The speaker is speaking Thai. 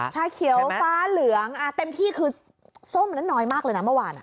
ชาเขียวฟ้าเหลืองเต็มที่คือส้มนั้นน้อยมากเลยนะเมื่อวาน